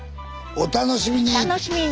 お楽しみに。